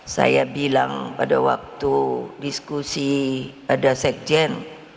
saya bilang pada waktu diskusi ada sekjen